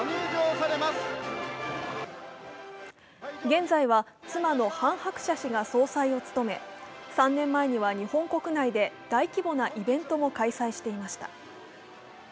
現在は妻のハン・ハクチャ氏が総裁を務め、３年前には日本国内で大規模なイベントも開催していました。